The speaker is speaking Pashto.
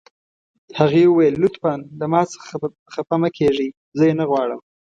هغې وویل: لطفاً له ما څخه خفه مه کیږئ، زه یې نه غواړم.